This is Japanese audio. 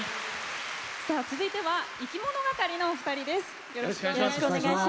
続いてはいきものがかりのお二人です。